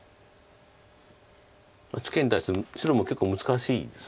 ツケに対して白も結構難しいです。